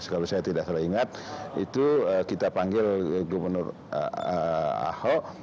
kalau saya tidak salah ingat itu kita panggil gubernur ahok